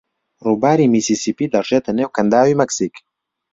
ڕووباری میسیسیپی دەڕژێتە نێو کەنداوی مەکسیک.